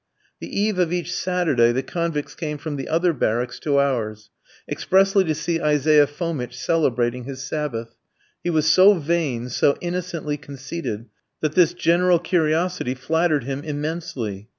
The eve of each Saturday the convicts came from the other barracks to ours, expressly to see Isaiah Fomitch celebrating his Sabbath. He was so vain, so innocently conceited, that this general curiosity flattered him immensely.